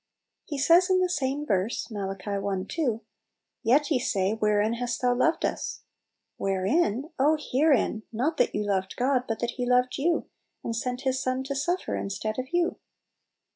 He says in the same verse (Mai. i. 2), "Yet ye say, Wherein hast thou loved us ?" Wherein ? herein ! not that you loved God, but that He loved you, and sent His Son to suffer instead of you.